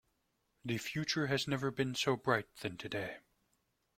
The future has never been so bright than today.